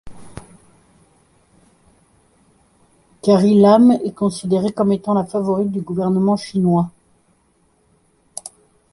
Carrie Lam est considérée comme étant la favorite du gouvernement chinois.